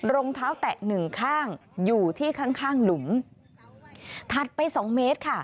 รองเท้าแตะ๑ข้างอยู่ที่ข้างหลุม